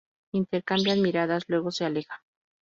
Intercambian miradas luego se aleja.